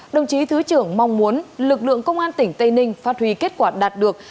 đồng chí thứ trưởng mong muốn lực lượng công an tỉnh tây ninh phát huy kết quả đạt được